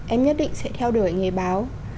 em nhất định sẽ theo đuổi nghề báo